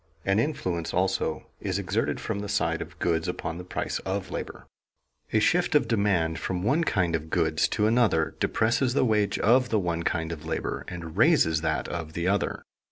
An influence also is exerted from the side of goods upon the price of labor. A shift of demand from one kind of goods to another depresses the wage of the one kind of labor and raises that of the other.